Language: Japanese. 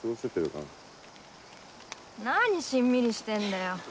なにしんみりしてんだよ。